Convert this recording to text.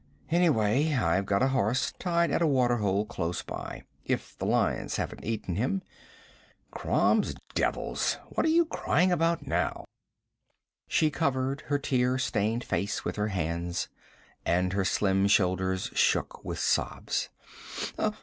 Anyway, I've got a horse tied at a water hole close by, if the lions haven't eaten him. Crom's devils! What are you crying about now?' She covered her tear stained face with her hands, and her slim shoulders shook with sobs.